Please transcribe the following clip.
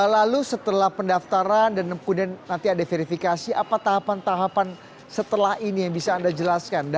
lalu setelah pendaftaran dan kemudian nanti ada verifikasi apa tahapan tahapan setelah ini yang bisa anda jelaskan